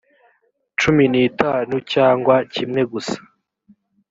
cumi n itanu cyangwa kimwe gusa